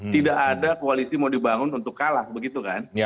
tidak ada koalisi mau dibangun untuk kalah begitu kan